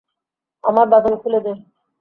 আমার বাঁধন খুলে দে।